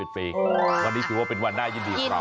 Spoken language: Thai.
วันนี้ถือว่าเป็นวันน่ายินดีของเรา